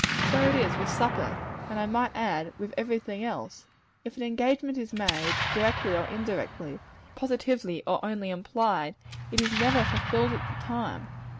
So it is with supper; and I might add, with every thing else. If an engagement is made, directly or indirectly, positively or only implied, it is never fulfilled at the time.